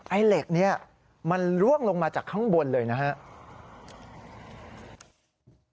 ไอ้เหล็กนี้มันล่วงลงมาจากข้างบนเลยนะครับ